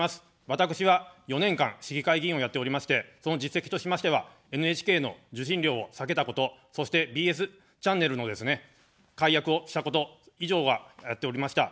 私は４年間、市議会議員をやっておりまして、その実績としましてはＮＨＫの受信料を下げたこと、そしてＢＳチャンネルのですね、解約をしたこと、以上は、やっておりました。